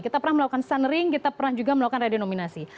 kita pernah melakukan sunring kita pernah juga melakukan redenominasi